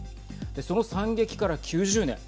その惨劇から９０年。